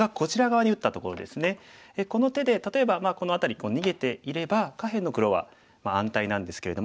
この手で例えばこの辺り逃げていれば下辺の黒は安泰なんですけれども。